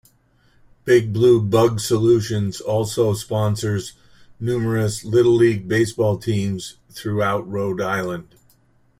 Big Blue Bug Solutions also sponsors numerous Little League baseball teams throughout Rhode Island.